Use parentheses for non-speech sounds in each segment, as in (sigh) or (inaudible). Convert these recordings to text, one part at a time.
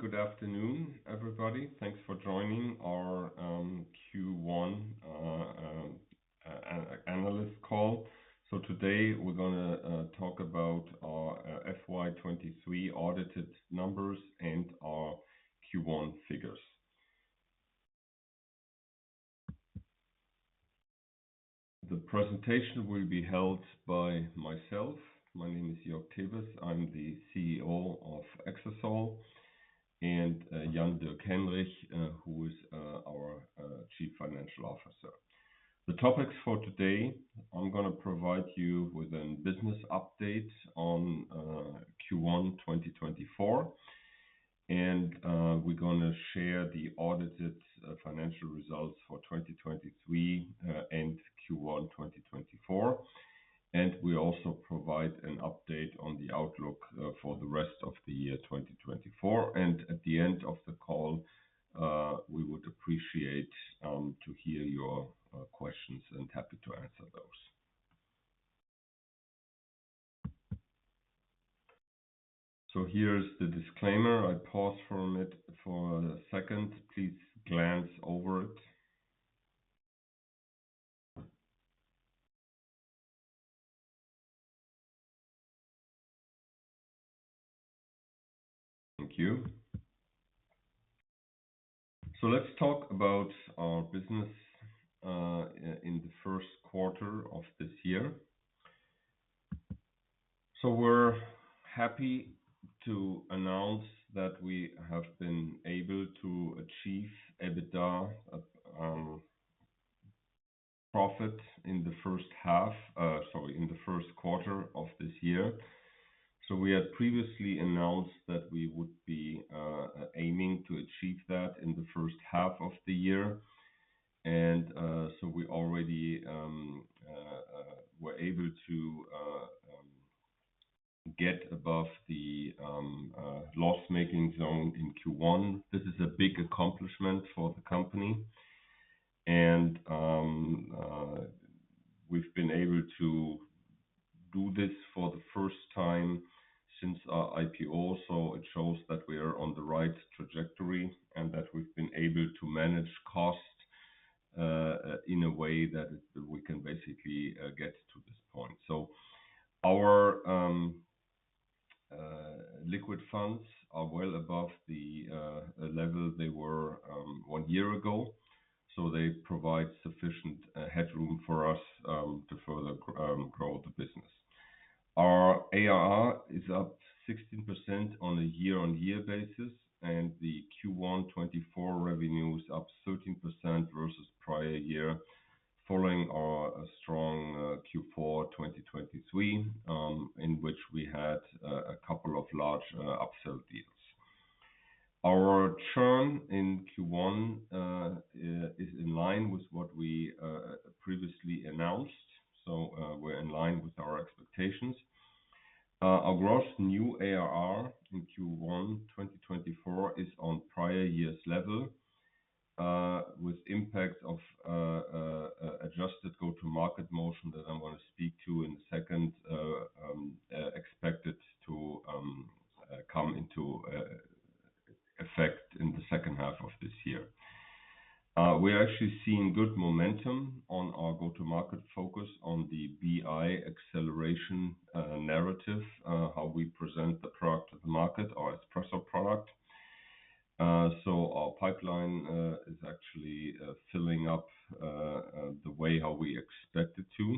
Good morning, good afternoon, everybody. Thanks for joining our Q1 analyst call. Today, we're gonna talk about our FY 2023 audited numbers and our Q1 figures. The presentation will be held by myself. My name is Joerg Tewes, I'm the CEO of Exasol, and Jan-Dirk Henrich, who is our Chief Financial Officer. The topics for today, I'm gonna provide you with a business update on Q1 2024, and we're gonna share the audited financial results for 2023 and Q1 2024. And we also provide an update on the outlook for the rest of the year 2024. And at the end of the call, we would appreciate to hear your questions, and happy to answer those. So here's the disclaimer. I pause from it for a second. Please glance over it. Thank you. So let's talk about our business in the first quarter of this year. So we're happy to announce that we have been able to achieve EBITDA profit in the first half—sorry, in the first quarter of this year. So we had previously announced that we would be aiming to achieve that in the first half of the year, and so we already were able to get above the loss-making zone in Q1. This is a big accomplishment for the company, and we've been able to do this for the first time since our IPO. So it shows that we are on the right trajectory, and that we've been able to manage costs in a way that, that we can basically get to this point. So our liquid funds are well above the level they were one year ago, so they provide sufficient headroom for us to further grow the business. Our ARR is up 16% on a year-on-year basis, and the Q1 2024 revenue is up 13% versus prior year, following our strong Q4 2023, in which we had a couple of large upsell deals. Our churn in Q1 is in line with what we previously announced, so we're in line with our expectations. Our gross new ARR in Q1 2024 is on prior year's level, with impacts of adjusted go-to-market motion, that I'm gonna speak to in a second, expected to come into effect in the second half of this year. We're actually seeing good momentum on our go-to-market focus on the BI acceleration narrative, how we present the product to the market, our Espresso product. So our pipeline is actually filling up the way how we expect it to.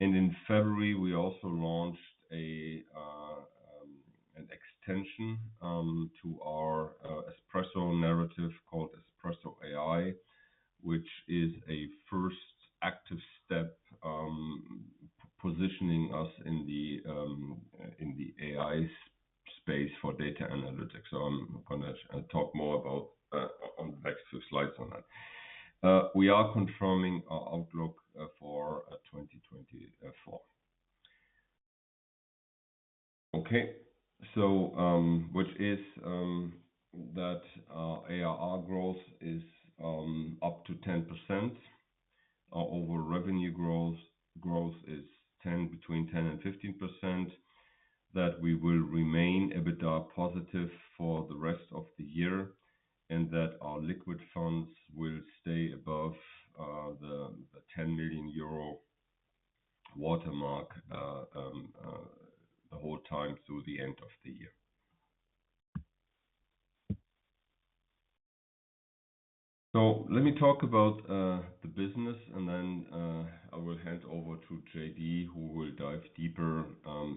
And in February, we also launched an extension to our Espresso narrative called Espresso AI, which is a first active step positioning us in the AI space for data analytics. So I'm gonna talk more about on the next two slides on that. We are confirming our outlook for 2024. Okay. So, which is that ARR growth is up to 10%. Our overall revenue growth is 10%-15%, that we will remain EBITDA positive for the rest of the year, and that our liquid funds will stay above the EUR 10 million watermark the whole time through the end of the year. So let me talk about the business, and then I will hand over to JD, who will dive deeper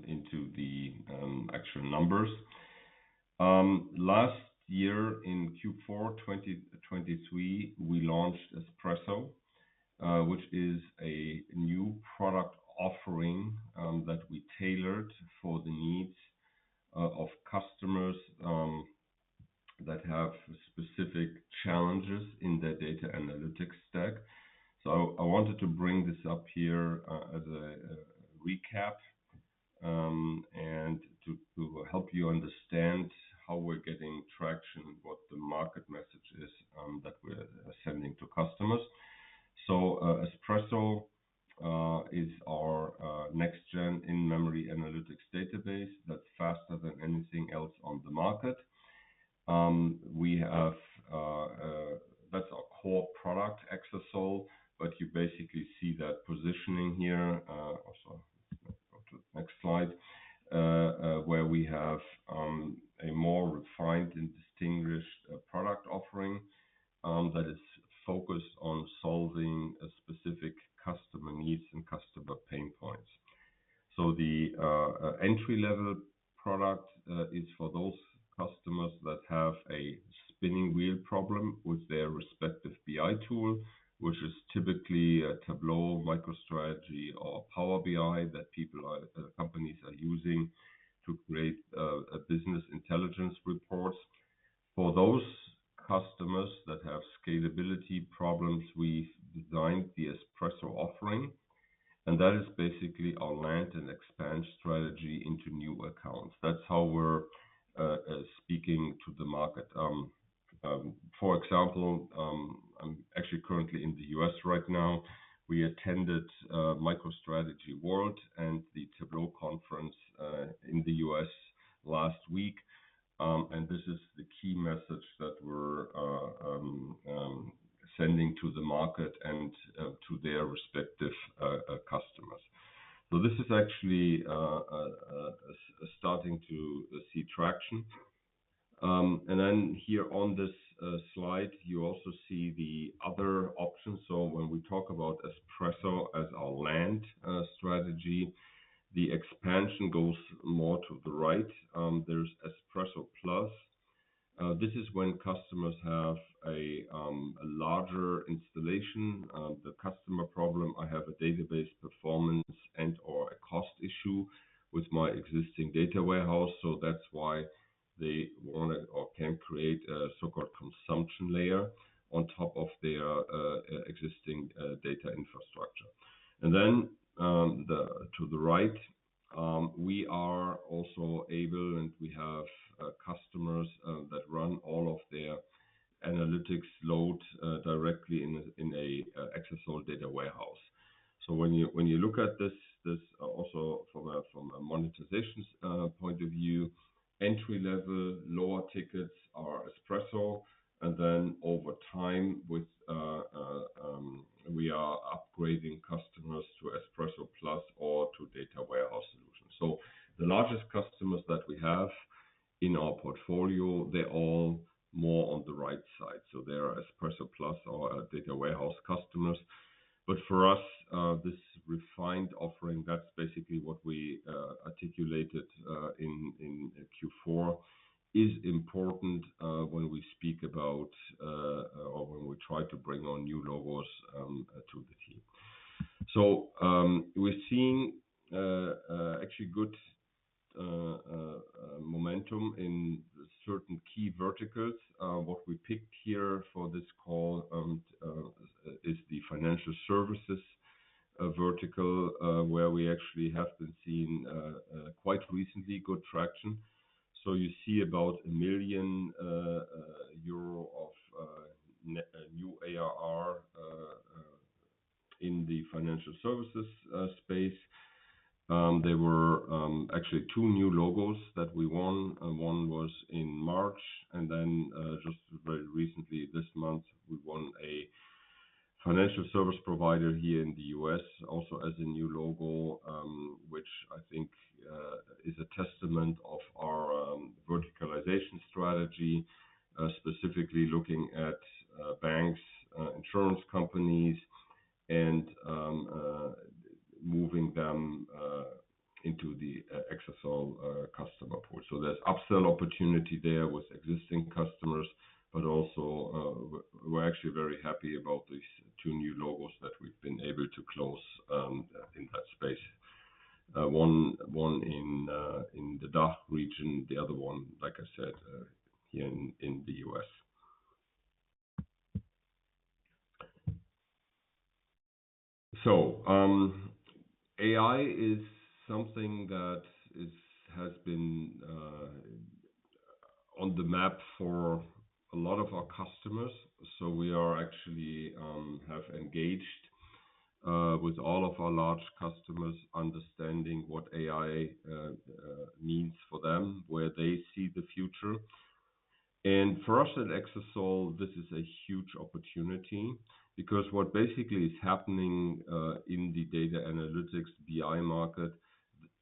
into the actual numbers. Last year, in Q4 2023, we launched Espresso, which is a new product offering that we tailored for the needs of customers that have specific challenges in their data analytics stack. So I wanted to bring this up here as a recap, and to help you understand how we're getting traction, what the market message is that we're sending to customers. So, Espresso is our next gen in-memory analytics database that's faster than anything else on the market. We have, that's our core product, Exasol, but you basically see that positioning here. Also, go to the next slide, where we have a more refined and distinguished product offering that is focused on solving a specific customer needs and customer pain points. So the entry-level product is for those customers that have a spinning wheel problem with their respective BI tool, which is typically a Tableau, MicroStrategy, or Power BI that companies are using to create a business intelligence report. slide, you also see the other options. So when we talk about Espresso as our land strategy, the expansion goes more to the right. There's Espresso Plus. This is when customers have a larger installation. The customer problem, I have a database performance and/or a cost issue with my existing data warehouse, so that's why they want to or can create a so-called consumption layer on top of their existing data infrastructure. And then to the right, we are also able, and we have customers that run all of their analytics load directly in an Exasol data warehouse. So when you look at this, this also from a monetization point of view, entry-level, lower tickets are Espresso, and then over time, we are upgrading customers to Espresso Plus or to data warehouse solutions. So the largest customers that we have in our portfolio, they're all more on the right side, so they are Espresso Plus or data warehouse customers. But for us, this refined offering, that's basically what we articulated in Q4, is important when we speak about or when we try to bring on new logos to the team. So, we're seeing actually good momentum in certain key verticals. What we picked here for this call is the financial services vertical, where we actually have been seeing quite recently good traction. So you see about 1 million euro of new ARR in the financial services space. There were actually two new logos that we won, and one was in March, and then just very recently, this month, we won a financial service provider here in the U.S., also as a new logo, which I think is a testament of our verticalization strategy, specifically looking at banks, insurance companies, and moving them into the Exasol customer port. So there's upsell opportunity there with existing customers, but also, we're actually very happy about these two new logos that we've been able to close in that space. One in the DACH region, the other one, like I said, here in the U.S.. So AI is something that has been on the map for a lot of our customers. So we actually have engaged with all of our large customers, understanding what AI means for them, where they see the future. And for us at Exasol, this is a huge opportunity, because what basically is happening in the data analytics BI market,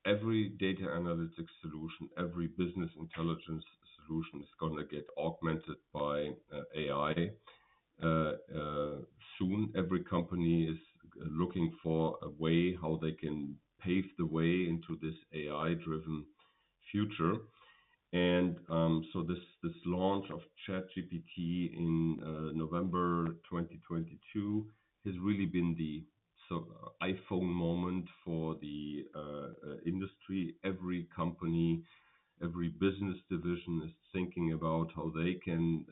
every data analytics solution, every business intelligence solution, is going to get augmented by AI. Soon, every company is looking for a way how they can pave the way into this AI-driven future. And so this launch of ChatGPT in November 2022 has really been the sort of iPhone moment for the industry. Every company, every business division is thinking about how they can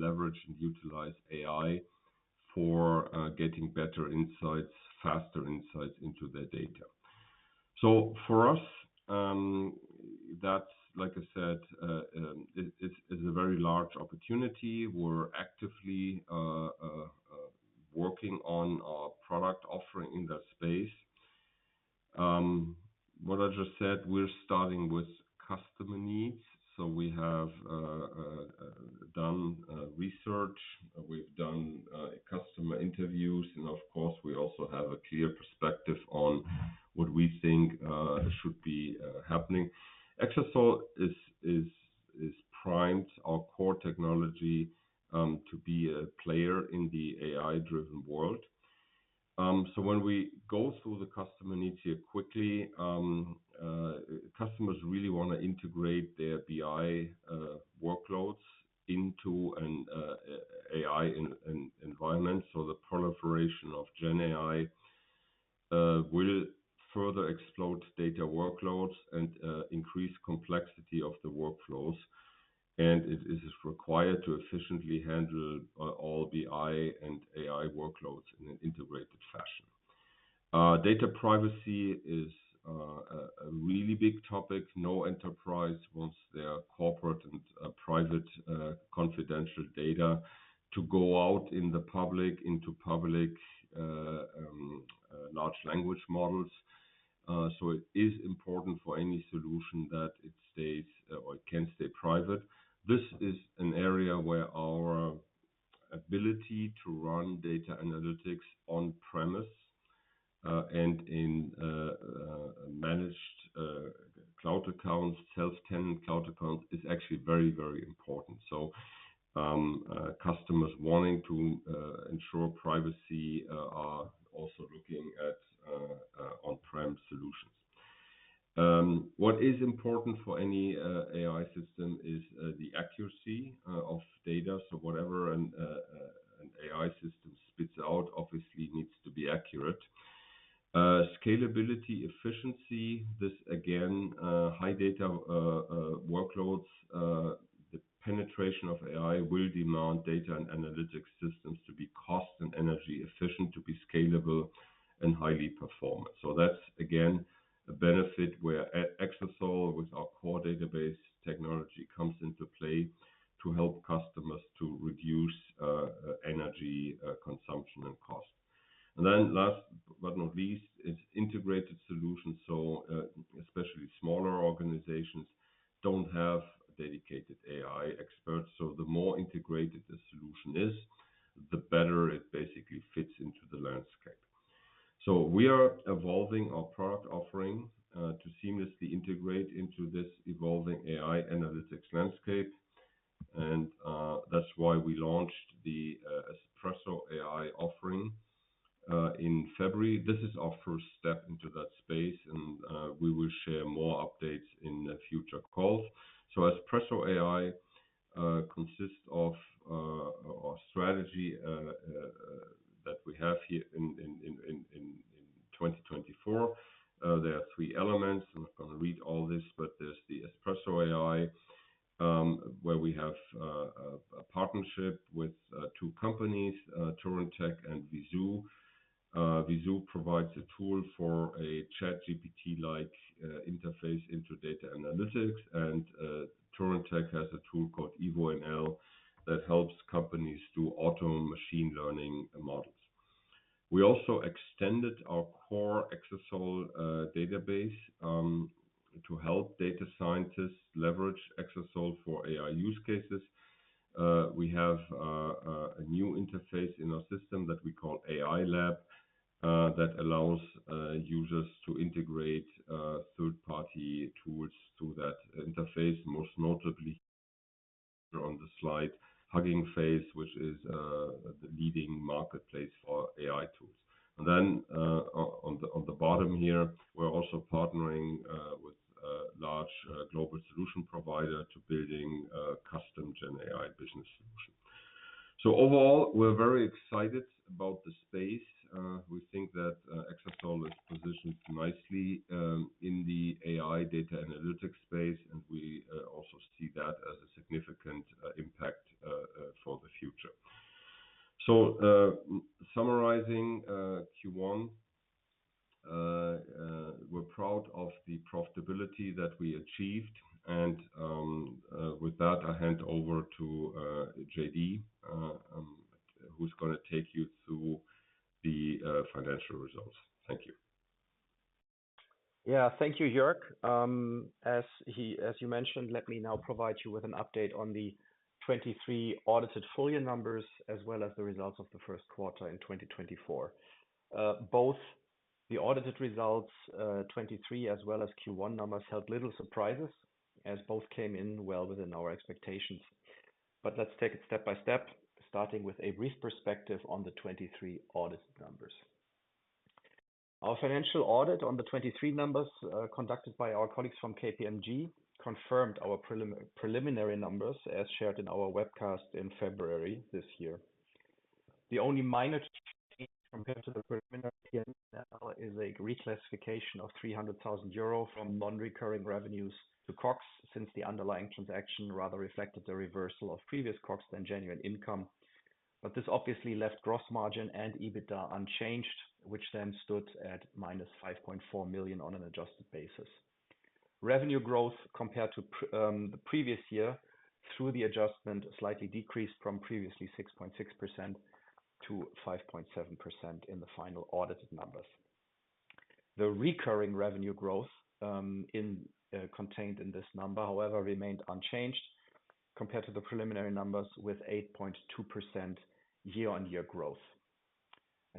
leverage and utilize AI for getting better insights, faster insights into their data. So for us, that's like I said, it's a very large opportunity. We're actively working on our product offering in that space. What I just said, we're starting with customer needs. So we have done research, we've done customer interviews, and of course, we also have a clear perspective on what we think should be happening. Exasol is primed our core technology to be a player in the AI-driven world. So when we go through the customer needs here quickly, customers really want to integrate their BI workloads into an AI environment. So the proliferation of GenAI will further explode data workloads and increase complexity of the workflows, and it is required to efficiently handle all BI and AI workloads in an integrated fashion. Data privacy is a really big topic. No enterprise wants their corporate and private confidential data to go out into public large language models. So it is important for any solution that it stays or can stay private. This is an area where our ability to run data analytics on-premise and in managed cloud accounts, self-tenant cloud accounts, is actually very, very important. So, customers wanting to ensure privacy are also looking at on-prem solutions. What is important for any AI system is the accuracy of data. So whatever an AI system spits out, obviously needs to be accurate. Scalability, efficiency, this again high data workloads, the penetration of AI will demand data and analytics systems to be cost and energy efficient, to be scalable and highly performant. So that's, again, a benefit where Exasol, with our core database technology, comes into play to help customers to reduce energy consumption and cost. And then last but not least, is integrated solutions. So, especially smaller organizations don't have dedicated AI experts, so the more integrated the solution is, the better it basically fits into the landscape. So we are evolving our product offering to seamlessly integrate into this evolving AI analytics landscape, and that's why we launched the Espresso AI offering in February. This is our first step into that space, and we will share more updates in the future calls. So Espresso AI consists of our strategy that we have here in 2024. There are three elements. I'm not going to read all this, but there's the Espresso AI, where we have a partnership with two companies, TurinTech and Veezoo. Veezoo provides a tool for a ChatGPT-like interface into data analytics, and TurinTech has a tool called evoML, that helps companies do auto machine learning models. We also extended our core Exasol database to help data scientists leverage Exasol for AI use cases. We have a new interface in our system that we call AI Lab, that allows users to integrate third-party tools to that interface, most notably on the slide, Hugging Face, which is the leading marketplace for AI tools. And then, on the bottom here, we're also partnering with a large global solution provider to building a custom GenAI business solution. So overall, we're very excited about the space. We think that Exasol is positioned nicely in the AI data analytics space, and we also see that as a significant impact for the future. So, summarizing, we're proud of the profitability that we achieved, and with that, I hand over to JD, who's going to take you through the financial results. Thank you. Yeah. Thank you, Joerg. As he mentioned, let me now provide you with an update on the 2023 audited full year numbers, as well as the results of the first quarter in 2024. Both the audited results, 2023, as well as Q1 numbers, held little surprises, as both came in well within our expectations. But let's take it step by step, starting with a brief perspective on the 2023 audit numbers. Our financial audit on the 2023 numbers, conducted by our colleagues from KPMG, confirmed our preliminary numbers, as shared in our webcast in February this year. The only minor change compared to the preliminary P&L is a reclassification of 300 thousand euro from non-recurring revenues to COGS, since the underlying transaction rather reflected the reversal of previous COGS than genuine income. But this obviously left gross margin and EBITDA unchanged, which then stood at -5.4 million on an adjusted basis. Revenue growth compared to the previous year, through the adjustment, slightly decreased from previously 6.6%-5.7% in the final audited numbers. The recurring revenue growth contained in this number, however, remained unchanged compared to the preliminary numbers, with 8.2% year-on-year growth.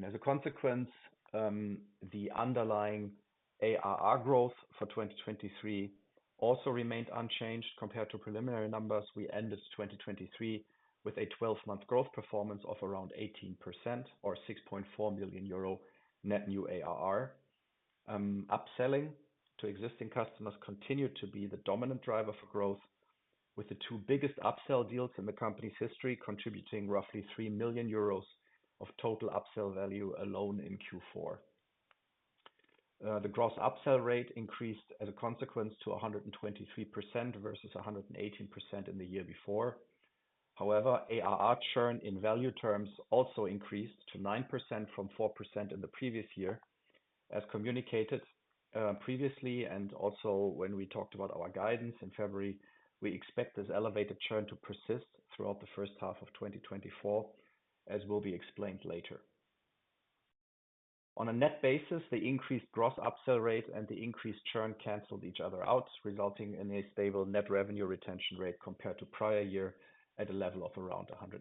As a consequence, the underlying ARR growth for 2023 also remained unchanged compared to preliminary numbers. We ended 2023 with a 12-month growth performance of around 18% or 6.4 million euro net new ARR. Upselling to existing customers continued to be the dominant driver for growth, with the two biggest upsell deals in the company's history contributing roughly 3 million euros of total upsell value alone in Q4. The gross upsell rate increased as a consequence to 123% versus 118% in the year before. However, ARR churn in value terms also increased to 9% from 4% in the previous year. As communicated previously, and also when we talked about our guidance in February, we expect this elevated churn to persist throughout the first half of 2024, as will be explained later. On a net basis, the increased gross upsell rate and the increased churn canceled each other out, resulting in a stable net revenue retention rate compared to prior year, at a level of around 115%.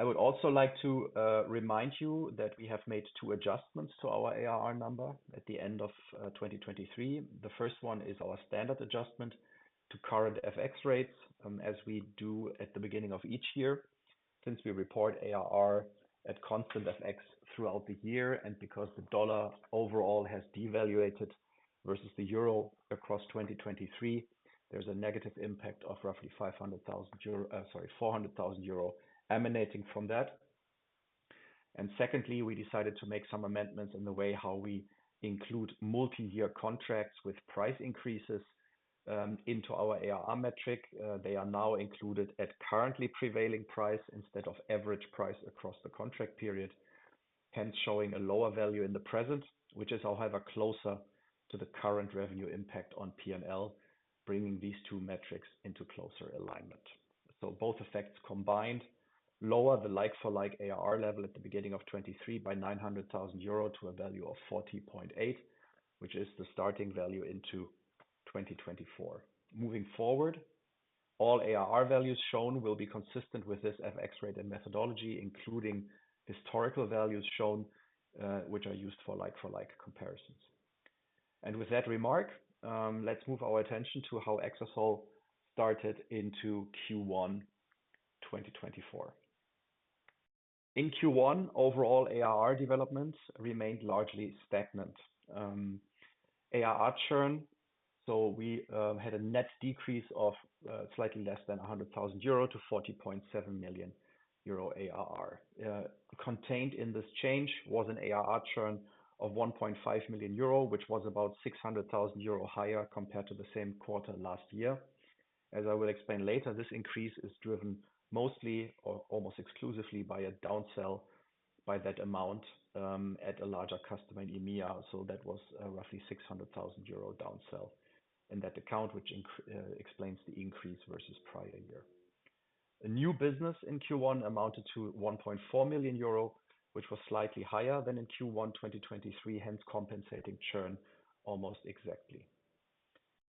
I would also like to remind you that we have made two adjustments to our ARR number at the end of 2023. The first one is our standard adjustment to current FX rates, as we do at the beginning of each year, since we report ARR at constant FX throughout the year, and because the dollar overall has devalued versus the euro across 2023, there's a negative impact of roughly 400,000 euro emanating from that. Secondly, we decided to make some amendments in the way how we include multi-year contracts with price increases into our ARR metric. They are now included at currently prevailing price instead of average price across the contract period, hence showing a lower value in the present, which is, however, closer to the current revenue impact on P&L, bringing these two metrics into closer alignment. So both effects combined lower the like-for-like ARR level at the beginning of 2023 by 900,000 euro to a value of 40.8, which is the starting value into 2024. Moving forward, all ARR values shown will be consistent with this FX rate and methodology, including historical values shown, which are used for like-for-like comparisons. And with that remark, let's move our attention to how Exasol started into Q1 2024. In Q1, overall ARR developments remained largely stagnant. ARR churn, so we had a net decrease of slightly less than 100,000 euro to 40.7 million euro ARR. Contained in this change was an ARR churn of 1.5 million euro, which was about 600,000 euro higher compared to the same quarter last year. As I will explain later, this increase is driven mostly or almost exclusively by a downsell by that amount at a larger customer in EMEA. So that was roughly 600,000 euro downsell in that account, which explains the increase versus prior year. A new business in Q1 amounted to 1.4 million euro, which was slightly higher than in Q1 2023, hence compensating churn almost exactly.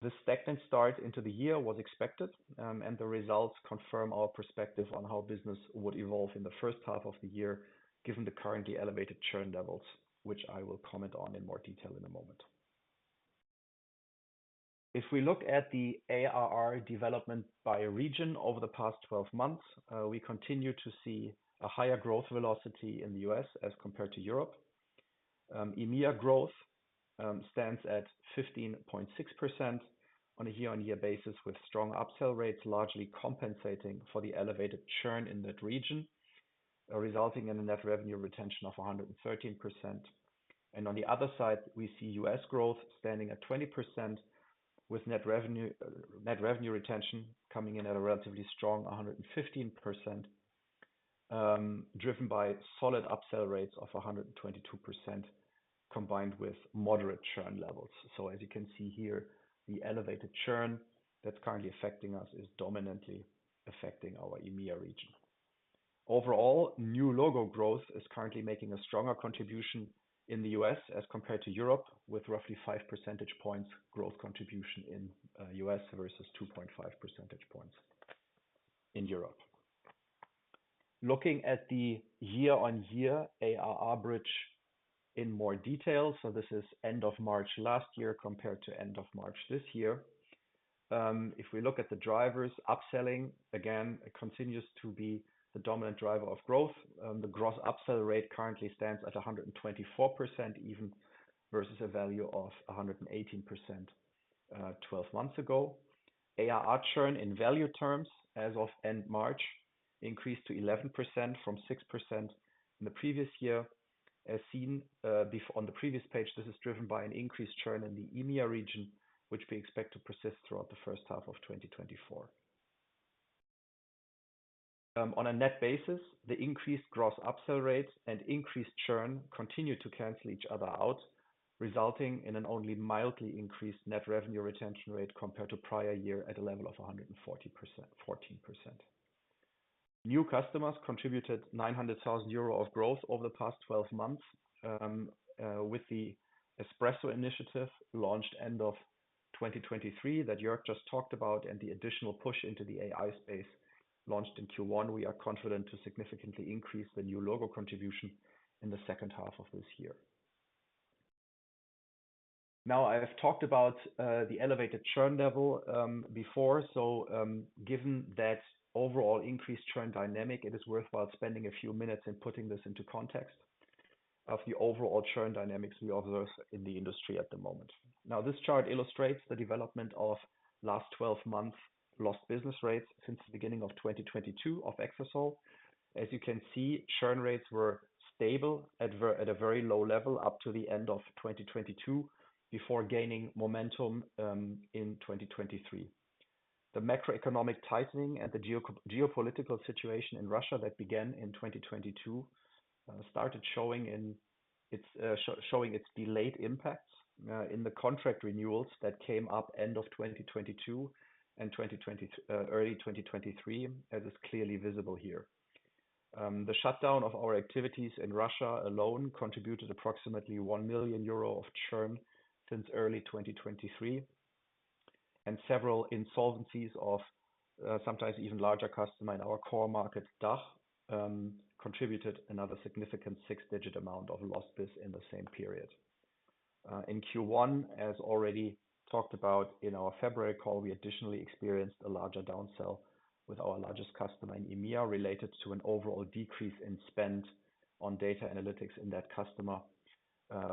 The stagnant start into the year was expected, and the results confirm our perspective on how business would evolve in the first half of the year, given the currently elevated churn levels, which I will comment on in more detail in a moment. If we look at the ARR development by region over the past 12 months, we continue to see a higher growth velocity in the U.S. as compared to Europe. EMEA growth stands at 15.6% on a year-on-year basis, with strong upsell rates largely compensating for the elevated churn in that region, resulting in a net revenue retention of 113%. On the other side, we see U.S. growth standing at 20%, with net revenue retention coming in at a relatively strong 115%, driven by solid upsell rates of 122%, combined with moderate churn levels. So as you can see here, the elevated churn that's currently affecting us is dominantly affecting our EMEA region. Overall, new logo growth is currently making a stronger contribution in the U.S. as compared to Europe, with roughly 5 percentage points growth contribution in U.S. versus 2.5 percentage points in Europe. Looking at the year-on-year ARR bridge in more detail, so this is end of March last year compared to end of March this year. If we look at the drivers, upselling, again, continues to be the dominant driver of growth. The gross upsell rate currently stands at 124%, even versus a value of 118%, twelve months ago. ARR churn in value terms as of end March increased to 11% from 6% in the previous year. As seen on the previous page, this is driven by an increased churn in the EMEA region, which we expect to persist throughout the first half of 2024. On a net basis, the increased gross upsell rates and increased churn continue to cancel each other out, resulting in an only mildly increased net revenue retention rate compared to prior year at a level of 140%, 14%. New customers contributed 900,000 euro of growth over the past 12 months, with the Espresso initiative launched end of 2023, that Joerg just talked about, and the additional push into the AI space launched in Q1, we are confident to significantly increase the new logo contribution in the second half of this year. Now, I've talked about the elevated churn level before, so, given that overall increased churn dynamic, it is worthwhile spending a few minutes in putting this into context of the overall churn dynamics we observe in the industry at the moment. Now, this chart illustrates the development of last 12 months lost business rates since the beginning of 2022 of Exasol. As you can see, churn rates were stable at a very low level up to the end of 2022, before gaining momentum in 2023. The macroeconomic tightening and the geopolitical situation in Russia that began in 2022 started showing its delayed impacts in the contract renewals that came up end of 2022 and early 2023, as is clearly visible here. The shutdown of our activities in Russia alone contributed approximately 1 million euro of churn since early 2023, and several insolvencies of sometimes even larger customer in our core market, DACH, contributed another significant six-digit amount of lost biz in the same period. In Q1, as already talked about in our February call, we additionally experienced a larger downsell with our largest customer in EMEA, related to an overall decrease in spend on data analytics in that customer,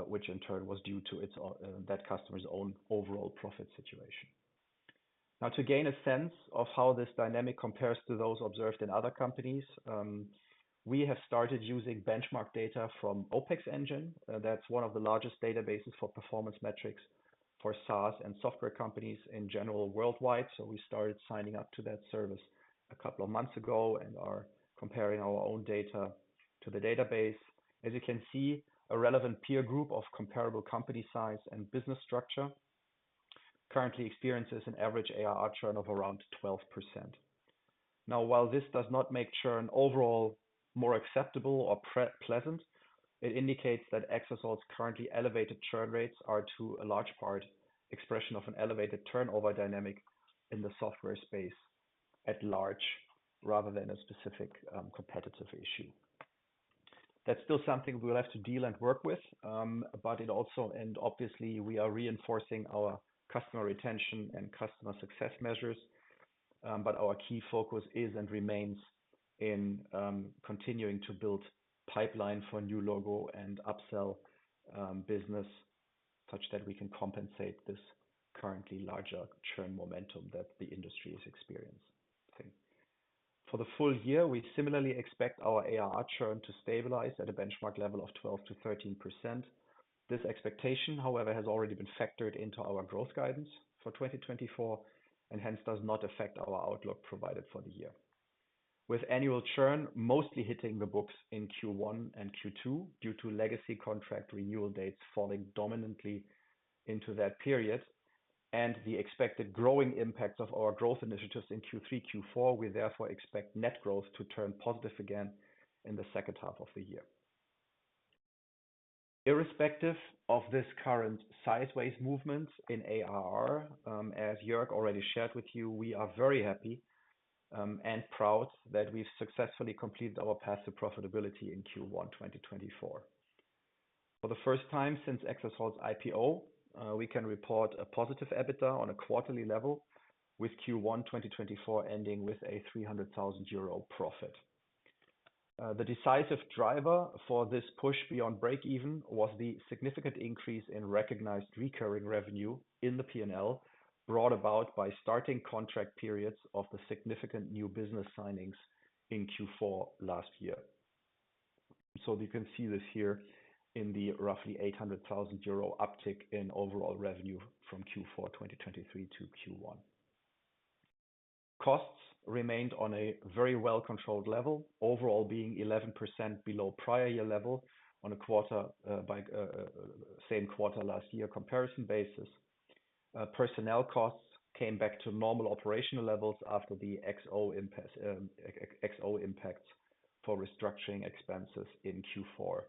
which in turn was due to its that customer's own overall profit situation. Now, to gain a sense of how this dynamic compares to those observed in other companies, we have started using benchmark data from OPEXEngine. That's one of the largest databases for performance metrics for SaaS and software companies in general, worldwide. So we started signing up to that service a couple of months ago and are comparing our own data to the database. As you can see, a relevant peer group of comparable company size and business structure currently experiences an average ARR churn of around 12%. Now, while this does not make churn overall more acceptable or pleasant, it indicates that Exasol's currently elevated churn rates are, to a large part, expression of an elevated turnover dynamic in the software space at large, rather than a specific, competitive issue. That's still something we'll have to deal and work with, but it also, and obviously, we are reinforcing our customer retention and customer success measures, but our key focus is and remains in, continuing to build pipeline for new logo and upsell, business, such that we can compensate this currently larger churn momentum that the industry is experiencing. For the full year, we similarly expect our ARR churn to stabilize at a benchmark level of 12%-13%. This expectation, however, has already been factored into our growth guidance for 2024, and hence does not affect our outlook provided for the year. With annual churn mostly hitting the books in Q1 and Q2, due to legacy contract renewal dates falling dominantly into that period, and the expected growing impact of our growth initiatives in Q3, Q4, we therefore expect net growth to turn positive again in the second half of the year. Irrespective of this current sideways movement in ARR, as Joerg already shared with you, we are very happy, and proud that we've successfully completed our path to profitability in Q1 2024. For the first time since Exasol's IPO, we can report a positive EBITDA on a quarterly level with Q1 2024 ending with a 300,000 euro profit. The decisive driver for this push beyond break even was the significant increase in recognized recurring revenue in the P&L, brought about by starting contract periods of the significant new business signings in Q4 last year. So you can see this here in the roughly 800,000 euro uptick in overall revenue from Q4 2023 to Q1. Costs remained on a very well-controlled level, overall being 11% below prior year level on a quarter-by-quarter same quarter last year comparison basis. Personnel costs came back to normal operational levels after the Exasol impact for restructuring expenses in Q4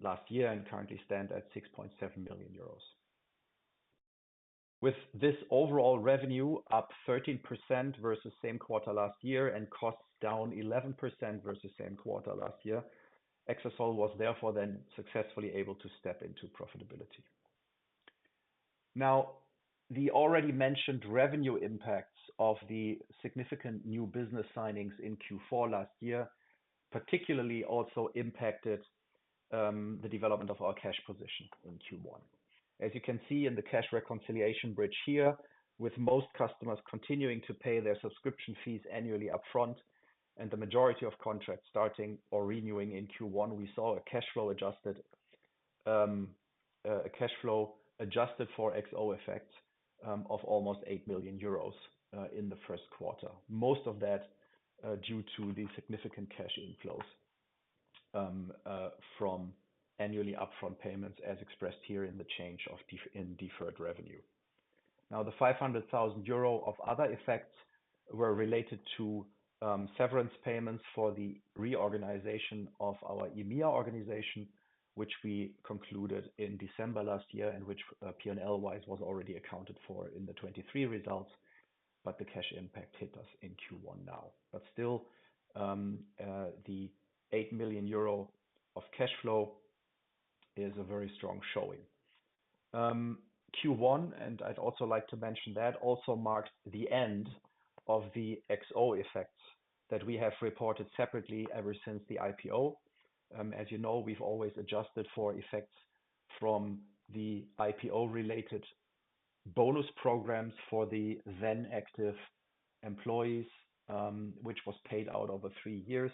last year, and currently stand at 6.7 million euros. With this overall revenue up 13% versus same quarter last year, and costs down 11% versus same quarter last year, Exasol was therefore then successfully able to step into profitability. Now, the already mentioned revenue impacts of the significant new business signings in Q4 last year, particularly also impacted the development of our cash position in Q1. As you can see in the cash reconciliation bridge here, with most customers continuing to pay their subscription fees annually upfront, and the majority of contracts starting or renewing in Q1, we saw a cash flow adjusted for FX effect of almost 8 million euros in the first quarter. Most of that due to the significant cash inflows from annually upfront payments, as expressed here in the change in deferred revenue. Now, the 500,000 euro of other effects were related to severance payments for the reorganization of our EMEA organization, which we concluded in December last year, and which, P&L wise, was already accounted for in the 2023 results, but the cash impact hit us in Q1 now. But still, the 8 million euro of cash flow is a very strong showing. Q1 and I'd also like to mention that also marks the end of the XO effects that we have reported separately ever since the IPO. As you know, we've always adjusted for effects from the IPO-related bonus programs for the then-active employees, which was paid out over three years.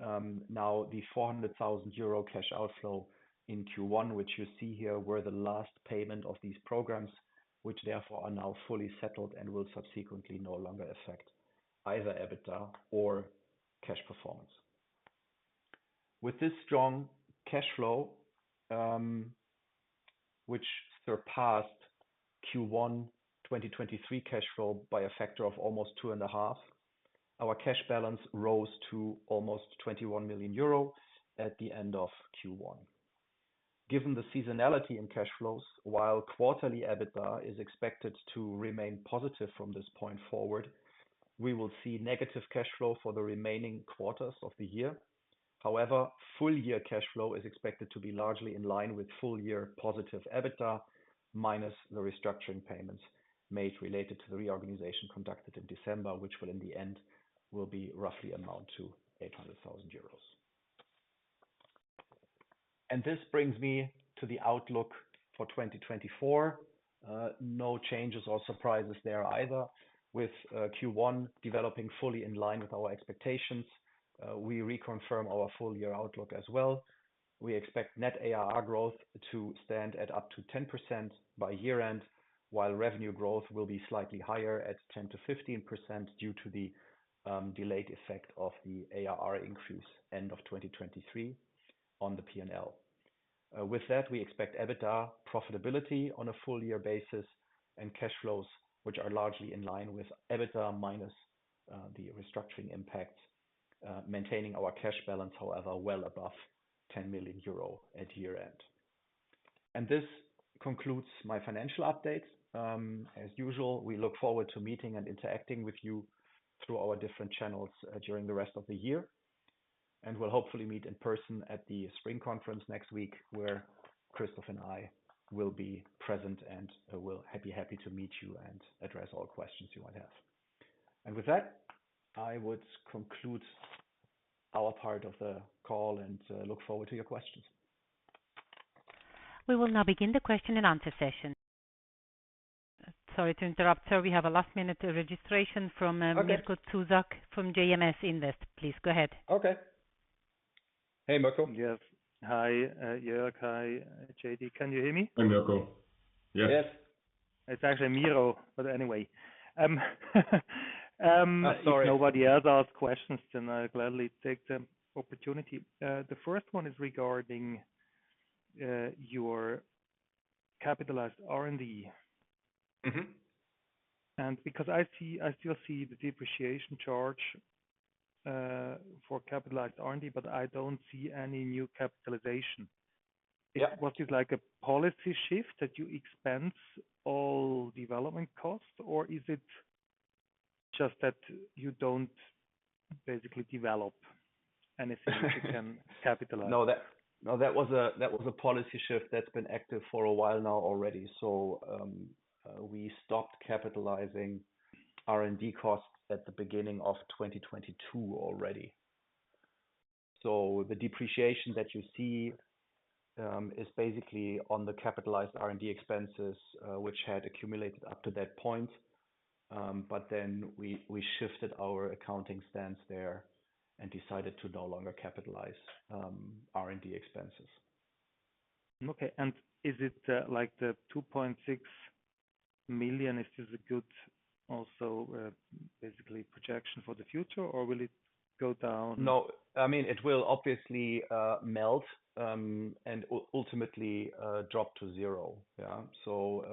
Now, the 400,000 euro cash outflow in Q1, which you see here, were the last payment of these programs, which therefore are now fully settled and will subsequently no longer affect either EBITDA or cash performance. With this strong cash flow, which surpassed Q1 2023 cash flow by a factor of almost 2.5, our cash balance rose to almost 21 million euro at the end of Q1. Given the seasonality in cash flows, while quarterly EBITDA is expected to remain positive from this point forward, we will see negative cash flow for the remaining quarters of the year. However, full year cash flow is expected to be largely in line with full year positive EBITDA, minus the restructuring payments made related to the reorganization conducted in December, which will, in the end, will be roughly amount to 800,000 euros. This brings me to the outlook for 2024. No changes or surprises there either. With Q1 developing fully in line with our expectations, we reconfirm our full year outlook as well. We expect net ARR growth to stand at up to 10% by year-end, while revenue growth will be slightly higher at 10%-15% due to the delayed effect of the ARR increase end of 2023 on the P&L. With that, we expect EBITDA profitability on a full year basis and cash flows, which are largely in line with EBITDA minus the restructuring impact, maintaining our cash balance, however, well above 10 million euro at year-end. This concludes my financial update. As usual, we look forward to meeting and interacting with you through our different channels during the rest of the year. And we'll hopefully meet in person at the spring conference next week, where Christoph and I will be present, and we'll be happy to meet you and address all questions you might have. And with that, I would conclude our part of the call and look forward to your questions. We will now begin the question and answer session. Sorry to interrupt, sir. We have a last-minute registration from, Miro Zuzak from JMS Invest. Please, go ahead. Okay Okay. Hey, Mirco. Yes. Hi, Joerg. Hi, JD. Can you hear me? Hi, Mirco. Yes. It's actually Miro, but anyway. Uh, sorry. If nobody else asks questions, then I'll gladly take the opportunity. The first one is regarding your capitalized R&D. Mm-hmm. And because I see, I still see the depreciation charge for capitalized R&D, but I don't see any new capitalization. Yeah. Was it like a policy shift, that you expense all development costs, or is it just that you don't basically develop anything—... you can capitalize? No, that was a policy shift that's been active for a while now already. So, we stopped capitalizing R&D costs at the beginning of 2022 already. So, the depreciation that you see is basically on the capitalized R&D expenses, which had accumulated up to that point. But then we shifted our accounting stance there and decided to no longer capitalize R&D expenses. Okay. And is it, like the 2.6 million, is this a good also, basically projection for the future, or will it go down? No, I mean, it will obviously melt, and ultimately drop to zero. Yeah. So,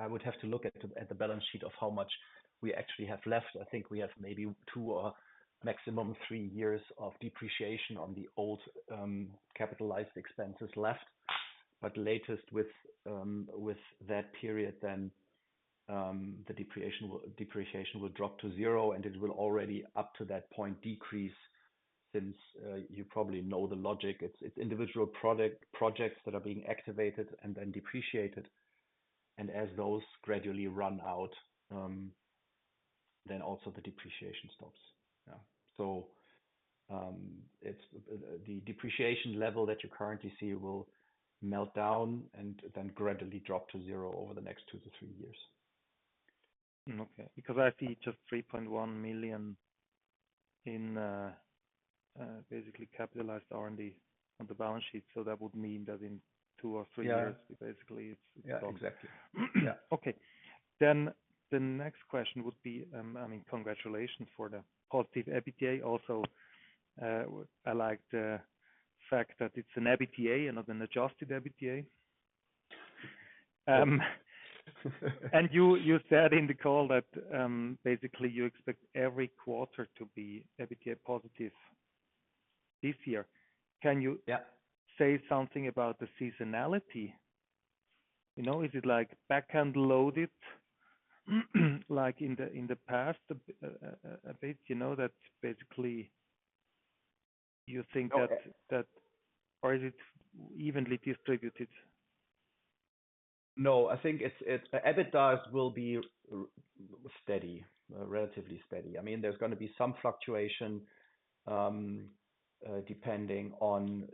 I would have to look at the balance sheet of how much we actually have left. I think we have maybe two or maximum three years of depreciation on the old capitalized expenses left. But latest with that period, then the depreciation will drop to zero, and it will already, up to that point, decrease since you probably know the logic. It's individual product projects that are being activated and then depreciated, and as those gradually run out, then also the depreciation stops. Yeah. So, the depreciation level that you currently see will melt down and then gradually drop to zero over the next two- three years. Okay. Because I see just 3.1 million in basically capitalized R&D on the balance sheet, so that would mean that in two or three years- Yeah Basically, it's, it's gone. Yeah, exactly. Yeah. Okay. Then the next question would be, I mean, congratulations for the positive EBITDA also. I like the fact that it's an EBITDA and not an adjusted EBITDA. And you said in the call that, basically you expect every quarter to be EBITDA positive this year. Can you- Yeah. Say something about the seasonality? You know, is it like back-end loaded, like in the past a bit? You know, that basically you think that or is it evenly distributed? No, I think it's EBITDA will be steady, relatively steady. I mean, there's gonna be some fluctuation, depending on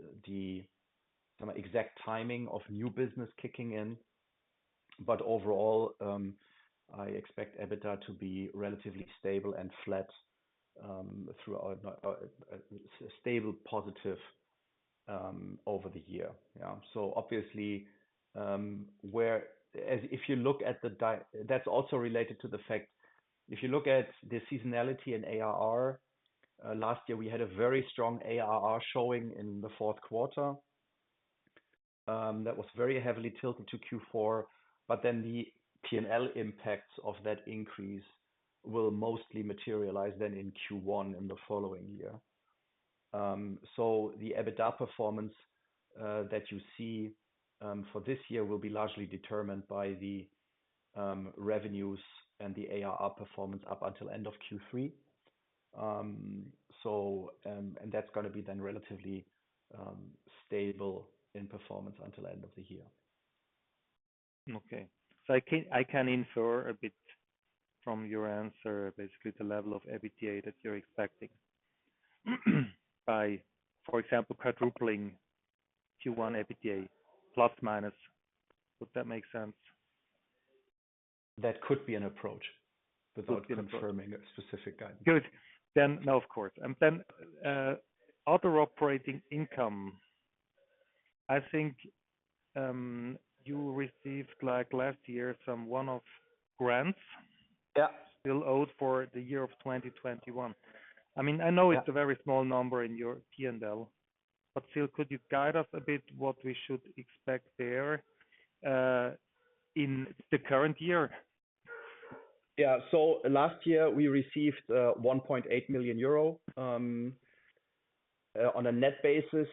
some exact timing of new business kicking in. But overall, I expect EBITDA to be relatively stable and flat, through our stable, positive, over the year. Yeah, so obviously, that's also related to the fact, if you look at the seasonality in ARR, last year, we had a very strong ARR showing in the fourth quarter. That was very heavily tilted to Q4, but then the P&L impacts of that increase will mostly materialize then in Q1, in the following year. So the EBITDA performance that you see for this year will be largely determined by the revenues and the ARR performance up until end of Q3. And that's gonna be then relatively stable in performance until end of the year. Okay. So I can, I can infer a bit from your answer, basically, the level of EBITDA that you're expecting, by, for example, quadrupling Q1 EBITDA plus, minus. Would that make sense? That could be an approach- Could be an approach. (crosstalk) - without confirming a specific guidance. Good. Then, no, of course. And then, other operating income, I think, you received, like, last year, some one-off grants- Yeah... still owed for the year of 2021. I mean, I know- Yeah (crosstalk) It's a very small number in your P&L, but still, could you guide us a bit what we should expect there in the current year? Yeah. So last year, we received 1.8 million euro on a net basis.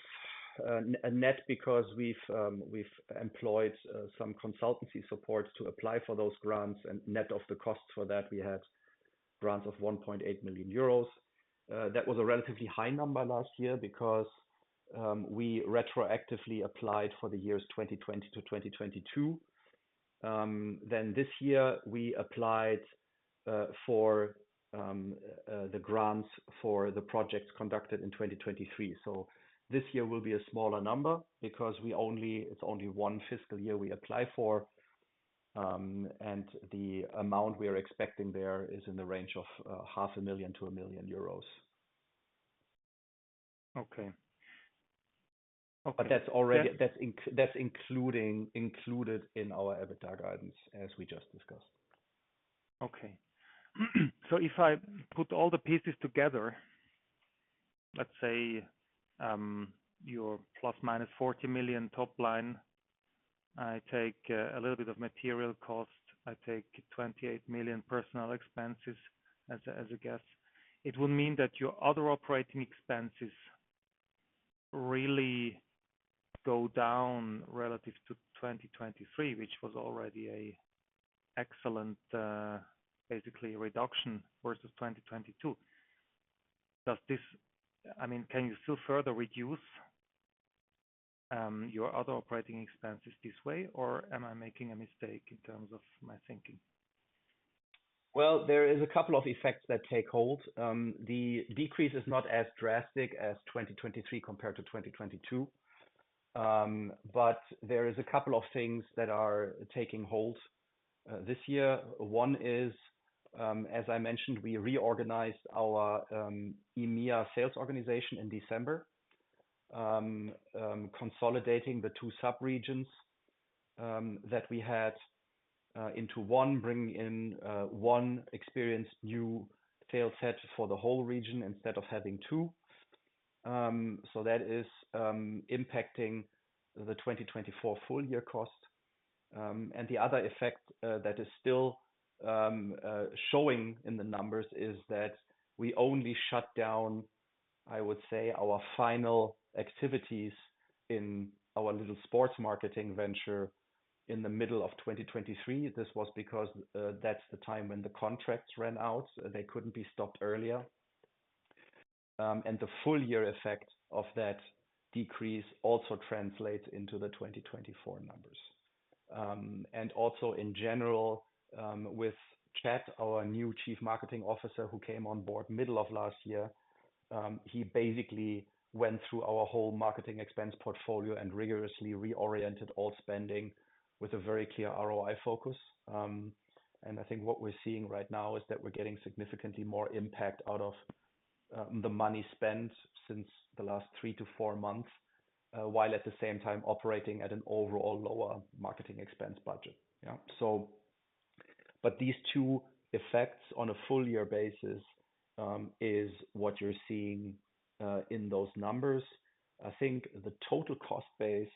A net because we've employed some consultancy support to apply for those grants, and net of the cost for that, we had grants of 1.8 million euros. That was a relatively high number last year because we retroactively applied for the years 2020 to 2022. Then this year, we applied for the grants for the projects conducted in 2023. So this year will be a smaller number because it's only one fiscal year we applied for, and the amount we are expecting there is in the range of 0.5 million-1 million euros. Okay. Okay. But that's already- that's including, included in our EBITDA guidance, as we just discussed. Okay. So if I put all the pieces together, let's say, your ±40 million top line, I take a little bit of material cost, I take 28 million personnel expenses, as a guess. It would mean that your other operating expenses really go down relative to 2023, which was already an excellent, basically a reduction versus 2022. Does this... I mean, can you still further reduce your other operating expenses this way, or am I making a mistake in terms of my thinking? Well, there is a couple of effects that take hold. The decrease is not as drastic as 2023 compared to 2022. But there is a couple of things that are taking hold this year. One is, as I mentioned, we reorganized our EMEA sales organization in December, consolidating the two subregions that we had into one, bringing in one experienced new sales head for the whole region instead of having two. So that is impacting the 2024 full year cost. And the other effect that is still showing in the numbers is that we only shut down, I would say, our final activities in our little sports marketing venture in the middle of 2023. This was because that's the time when the contracts ran out, they couldn't be stopped earlier. And the full year effect of that decrease also translates into the 2024 numbers. And also in general, with Chad, our new Chief Marketing Officer, who came on board middle of last year, he basically went through our whole marketing expense portfolio and rigorously reoriented all spending with a very clear ROI focus. And I think what we're seeing right now is that we're getting significantly more impact out of the money spent since the last three-four months, while at the same time operating at an overall lower marketing expense budget. Yeah, so... But these two effects on a full year basis is what you're seeing in those numbers. I think the total cost base,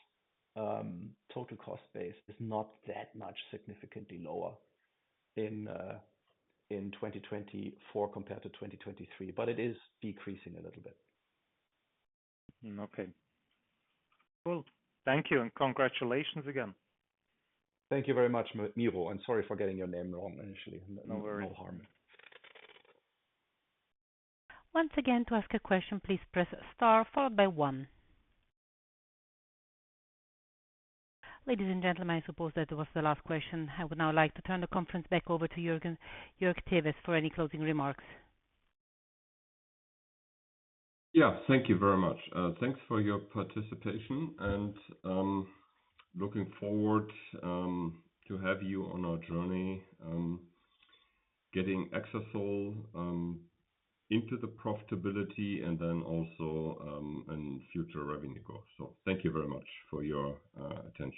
total cost base is not that much significantly lower in 2024 compared to 2023, but it is decreasing a little bit. Okay. Well, thank you, and congratulations again. Thank you very much, Miro, and sorry for getting your name wrong initially. No worries. No harm. Once again, to ask a question, please press Star followed by one. Ladies and gentlemen, I suppose that was the last question. I would now like to turn the conference back over to Joerg Tewes for any closing remarks. Yeah, thank you very much. Thanks for your participation and, looking forward to have you on our journey, getting Exasol into the profitability and then also in future revenue growth. So thank you very much for your attention.